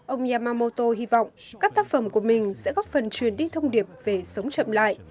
ông yamamoto hy vọng các tác phẩm của mình sẽ góp phần truyền đi thông điệp về sống chậm lại